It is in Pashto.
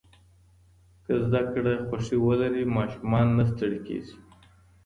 که زده کړه خوښي ولري، ماشوم نه ستړی کېږي.